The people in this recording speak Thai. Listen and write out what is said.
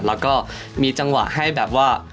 แล้วก็มีจังหวะให้แบบว่า